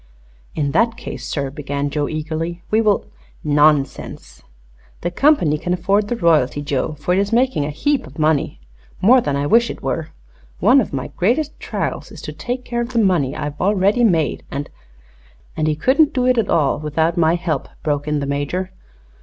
"In that case, sir," began Joe, eagerly, "we will " "Nonsense. The company can afford the royalty, Joe, for it is making a heap of money more than I wish it were. One of my greatest trials is to take care of the money I've already made, and " "And he couldn't do it at all without my help," broke in the Major.